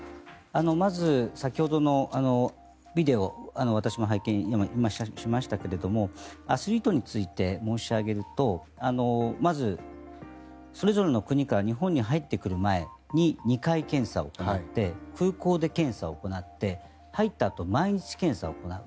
まず、先ほどのビデオ拝見しましたがアスリートについて申し上げるとまず、それぞれの国から日本に入ってくる前に２回検査を行って空港で検査を行って入ったあと毎日検査を行う。